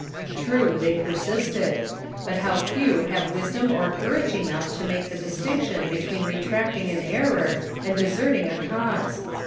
True, they persisted : but how few have wisdom or courage enough to make the distinction between retracting an error and deserting a cause